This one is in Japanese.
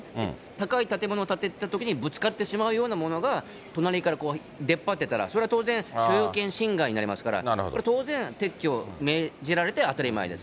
高い建物を建てたときにぶつかってしまうようなものが隣から出っ張ってたら、それは当然、所有権侵害になりますから、これ、当然、撤去を命じられて当たり前です。